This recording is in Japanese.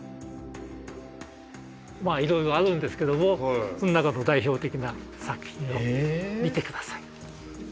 いろいろあるんですけどもその中でも代表的な作品を見て下さい。